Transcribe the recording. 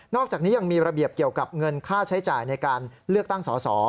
อกจากนี้ยังมีระเบียบเกี่ยวกับเงินค่าใช้จ่ายในการเลือกตั้งสอสอ